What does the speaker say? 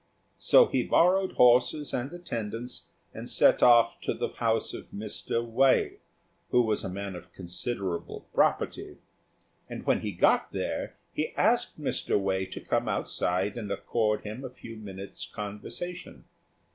So he borrowed horses and attendants, and set off to the house of Mr. Wei, who was a man of considerable property; and when he got there he asked Mr. Wei to come outside and accord him a few minutes' conversation.